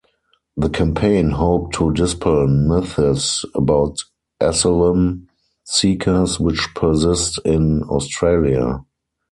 The campaign hoped to dispel myths about asylum seekers which persist in Australia.